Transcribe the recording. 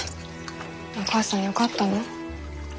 お母さんよかったの？